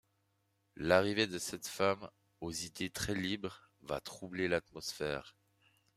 L'arrivée de cette femme aux idées très libres va troubler l'atmosphère...